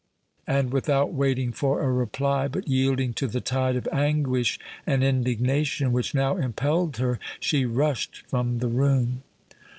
And, without waiting for a reply, but yielding to the tide of anguish and indignation which now impelled her, she rushed from the room.